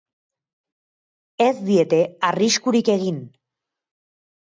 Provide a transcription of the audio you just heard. Ez diete arriskurik egin.